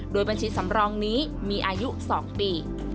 โดยบัญชีสำรองนี้มีอายุ๒ปี